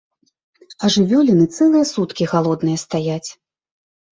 А жывёліны цэлыя суткі галодныя стаяць.